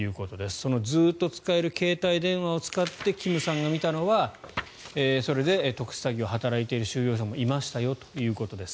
そのずっと使える携帯電話を使ってキムさんが見たのはそれで特殊詐欺を働いている収容者もいたということです。